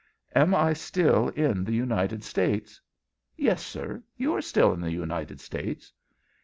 Am I still in the United States?" "Yes, sir, you are still in the United States."